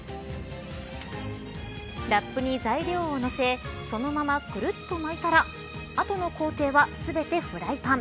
ラップに材料を載せそのままくるっと巻いたらあとの工程は全てフライパン。